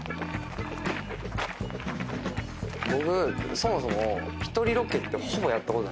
僕そもそも。